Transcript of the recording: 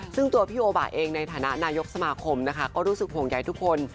ซึ่งตัวพี่โอบะเองในฐานะนายกสมาคมนะคะก็รู้สึกห่วงใยทุกคน